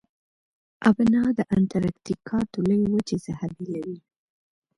ابنا د انتارکتیکا د لویې وچې څخه بیلوي.